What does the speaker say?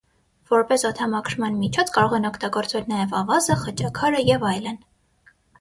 Որպես օդամաքրման միջոց կարող են օգտագործվել նաև ավազը, խճաքարը, և այլն։